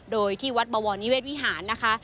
โดยที่วัดบวรนิเศษวิหารนะคะ